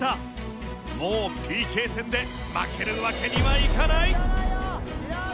もうＰＫ戦で負けるわけにはいかない。